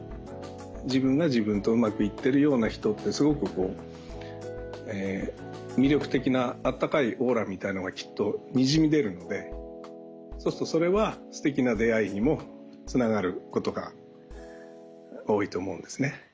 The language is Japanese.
自分が自分とうまくいってるような人ってすごく魅力的なあったかいオーラみたいのがきっとにじみ出るのでそうするとそれはすてきな出会いにもつながることが多いと思うんですね。